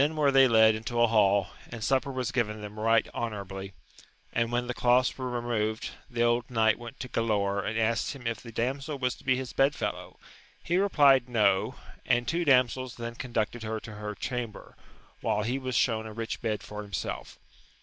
221 they led into a hall, and supper was given them right honourably ; and, when the cloths were removed, the old knight went to Galaor and asked him if the damsel was to be his bedfellow. He replied, No j and two damsels then conducted her to her chamber, while he was shown a rich bed for himself.